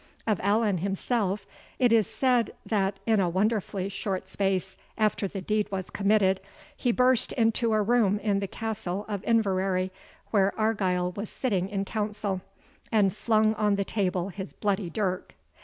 Of Allan himself it is said, that, in a wonderfully short space after the deed was committed, he burst into a room in the Castle of Inverary, where Argyle was sitting in council, and flung on the table his bloody dirk.